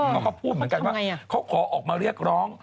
เขาก็พูดเหมือนกันว่าเขาขอออกมาเรียกร้อง